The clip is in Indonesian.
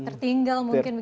tertinggal mungkin begitu ya